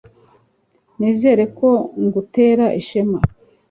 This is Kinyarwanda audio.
nizere ko ngutera ishema